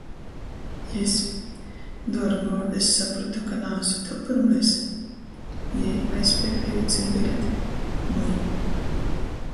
Jis: Duorguo, es saprotu, ka naasu tev pyrmais? Jei, aizpeipejūt cigareti: Nui...